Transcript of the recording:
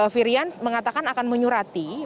firian mengatakan akan menyurati